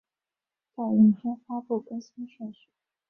照影片发布更新顺序